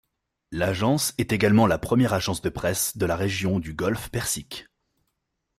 L'agence est également la première agence de presse de la région du golfe Persique.